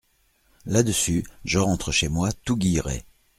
Là-dessus, je rentre chez moi tout guilleret.